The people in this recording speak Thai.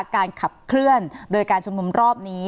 การขับเคลื่อนโดยการชุมนุมรอบนี้